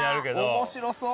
面白そう。